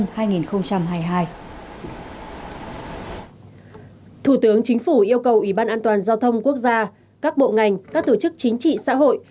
thủ tướng chính phủ yêu cầu ủy ban an toàn giao thông quốc gia các bộ ngành các tổ chức chính trị xã hội